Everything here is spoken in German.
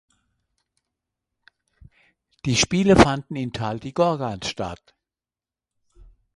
Die Spiele fanden in Taldyqorghan statt.